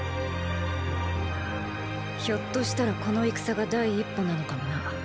ひょっとしたらこの戦が“第一歩”なのかもな。